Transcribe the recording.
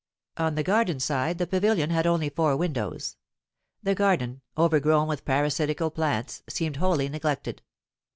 On the garden side the pavilion had only four windows. The garden, overgrown with parasitical plants, seemed wholly neglected.